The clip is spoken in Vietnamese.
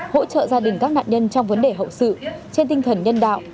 hỗ trợ gia đình các nạn nhân trong vấn đề hậu sự trên tinh thần nhân đạo